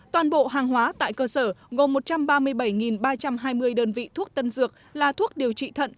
toàn bộ hàng hóa tại cơ sở gồm một trăm ba mươi bảy ba trăm hai mươi đơn vị thuốc tân dược là thuốc điều trị thận